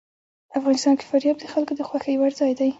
افغانستان کې فاریاب د خلکو د خوښې وړ ځای دی.